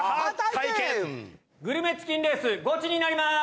グルメチキンレースゴチになります！